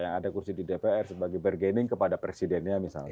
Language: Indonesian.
yang ada kursi di dpr sebagai bergening kepada presidennya misalnya